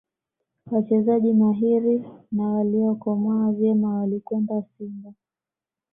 wachezaji mahiri na waliyokomaa vyema walikwenda simba